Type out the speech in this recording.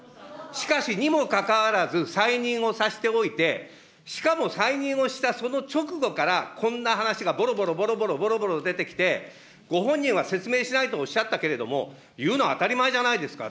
しかしにもかかわらず再任をさせておいて、しかも再任をしたその直後から、こんな話がぼろぼろぼろぼろぼろぼろ出てきて、ご本人は説明しないとおっしゃったけれども、言うの当たり前じゃないですか。